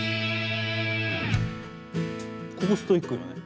ここストイックだね。